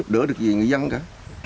đỡ được gì người dân cả